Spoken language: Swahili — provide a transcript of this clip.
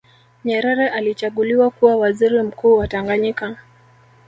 Nyerere alichaguliwa kuwa waziri mkuu wa Tanganyika